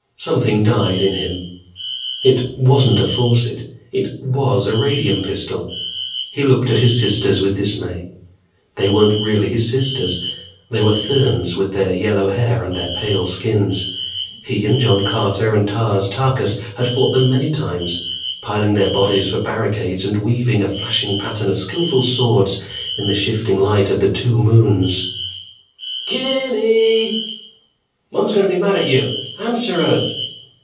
Something died in him. It wasn't a faucet, it WAS a radium pistol. He looked at his sisters with dismay. They weren't really his sisters. They were Therns, with their yellow hair and their pale skins. He and John Carter and Tars Tarkas had fought them many times, piling their bodies for barricades and weaving a flashing pattern of skillful swords in the shifting light of the two moons. "Kimmmm eeee Mom's going to be mad at you! Answer us!"